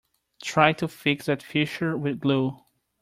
Try to fix that fissure with glue.